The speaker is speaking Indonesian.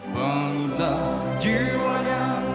pemirsa dan hadirin sekalian